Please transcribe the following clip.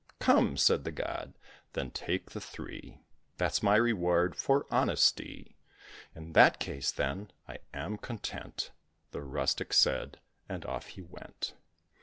"Come," said the god, "then take the three That's my reward for honesty." "In that case, then, I am content," The rustic said, and off he went.